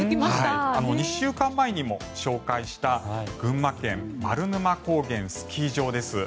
２週間前にも紹介した群馬県・丸沼高原スキー場です。